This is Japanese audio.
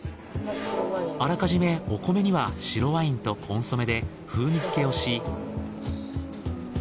あらかじめお米には白ワインとコンソメで風味付けをし。